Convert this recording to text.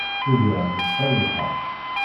Ugaɣ tesɛid lḥeqq.